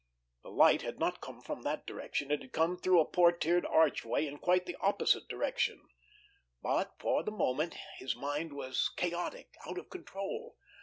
The light had not come from that direction, it had come through a portièred archway in quite the opposite direction, but for the moment his mind was chaotic, out of control.